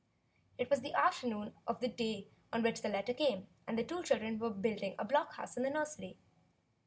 It was the afternoon of the day on which the letter came, and the two children were building a block house in the nursery.